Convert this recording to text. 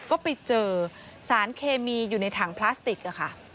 ก็ไปเจอสารเคมีอยู่ในถังพลาสติกค่ะ